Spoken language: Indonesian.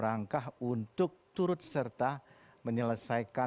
yang terjadi sudah terjadi